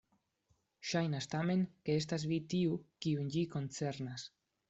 Ŝajnas tamen, ke estas vi tiu, kiun ĝi koncernas.